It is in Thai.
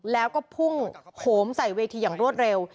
แล้วก็พุ่งโหมใส่เวทีอย่างรวดเร็ว